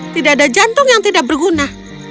tidak ada jantung yang tidak berguna